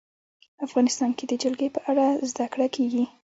افغانستان کې د جلګه په اړه زده کړه کېږي.